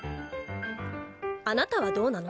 あなたはどうなの？